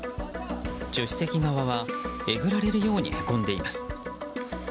助手席側は、えぐられるようにへこんでいます。